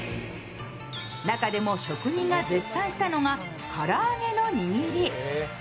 中でも職人が絶賛したのが唐揚げの握り。